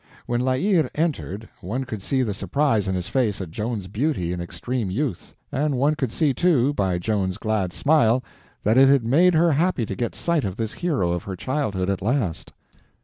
When La Hire entered, one could see the surprise in his face at Joan's beauty and extreme youth, and one could see, too, by Joan's glad smile, that it made her happy to get sight of this hero of her childhood at last.